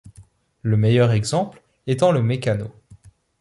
Le meilleur exemple étant le Meccano.